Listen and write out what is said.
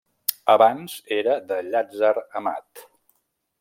Abans era de Llàtzer Amat.